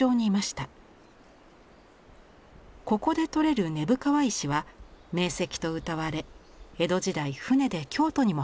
ここで採れる根府川石は名石とうたわれ江戸時代船で京都にも運ばれました。